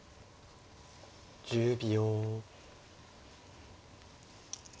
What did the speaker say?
１０秒。